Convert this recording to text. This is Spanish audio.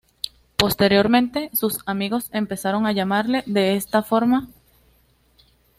Posteriormente, sus amigos empezaron a llamarle de esa forma.